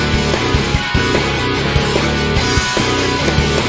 ดีดีดีดี